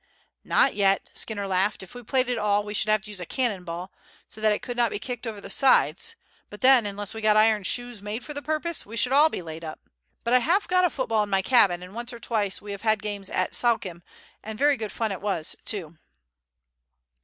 "Not yet," Skinner laughed. "If we played at all we should have to use a cannon ball, so that it should not be kicked over the sides; but then, unless we got iron shoes made for the purpose, we should all be laid up. But I have got a football in my cabin, and once or twice we have had games at Suakim, and very good fun it was too."